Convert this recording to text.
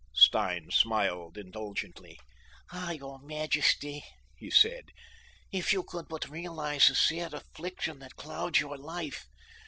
Stein smiled indulgently. "Ah, your majesty," he said, "if you could but realize the sad affliction that clouds your life!